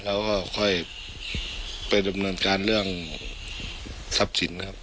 แล้วก็ค่อยไปดำเนินการเรื่องทรัพย์สินนะครับ